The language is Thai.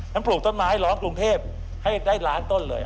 แล้วปลูกต้นไม้ให้ร้องกรุงเทพให้ได้๑ล้านต้นเลย